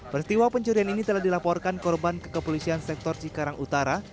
pertiwa pencurian ini telah dilaporkan korban kekepolisian sektor cikarang utara